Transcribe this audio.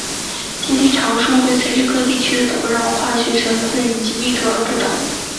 接地常数会随各地区的土壤化学成份以及密度而不同。